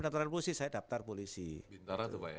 daftaran polisi saya daftar polisi bintara tuh pak ya